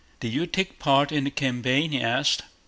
Did you take part in the campaign?" he asked.